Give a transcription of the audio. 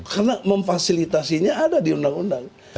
karena memfasilitasinya ada di undang undang